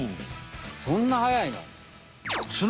そんなはやいの？